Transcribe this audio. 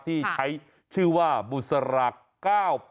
ที่ใช้ชื่อว่าบุษรัก๙๘